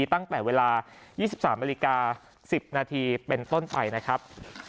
ตั้งแต่เวลา๒๓นาฬิกา๑๐นาทีเป็นต้นไปนะครับ